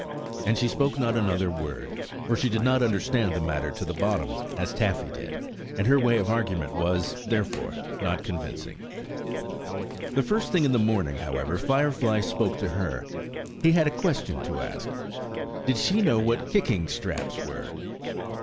And she spoke not another word, for she did not understand the matter to the bottom, as Taffy did, and her way of argument was, therefore, not convincing. The first thing in the morning, however, Firefly spoke to her. He had a question to ask. Did she know what kicking straps were?